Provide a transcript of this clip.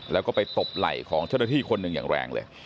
แล้วก็ไปตบไหล่ของเจ้าหน้าที่คนหนึ่งอย่างแรงเลย